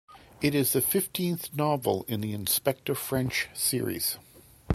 It is the fifteenth novel in the Inspector French series.